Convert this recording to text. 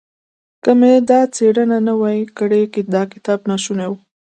که مې دا څېړنه نه وای کړې دا کتاب ناشونی و.